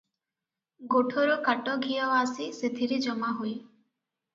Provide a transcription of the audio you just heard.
ଗୋଠରୁ କାଟଘିଅ ଆସି ସେଥିରେ ଜମାହୁଏ ।